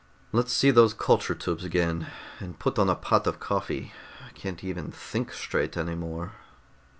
"Let's see those culture tubes again. And put on a pot of coffee. I can't even think straight any more."